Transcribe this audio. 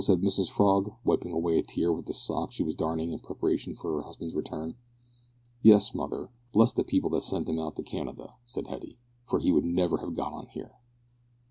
said Mrs Frog, wiping away a tear with the sock she was darning in preparation for her husband's return. "Yes, mother. Bless the people that sent 'im out to Canada," said Hetty, "for he would never have got on here."